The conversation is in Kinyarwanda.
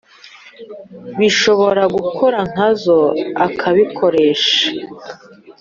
Bishobora gukora nkazo akabikoresha